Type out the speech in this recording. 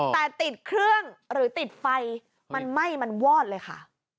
แต่ติดเครื่องหรือติดไฟมันไหม้มันวอดเลยค่ะ